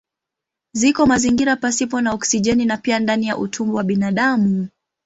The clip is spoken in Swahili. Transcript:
Ziko mazingira pasipo na oksijeni na pia ndani ya utumbo wa binadamu.